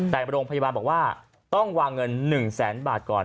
แต่โรงพยาบาลบอกว่าต้องวางเงิน๑แสนบาทก่อน